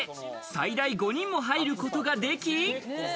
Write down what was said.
最大５人も入ることができ。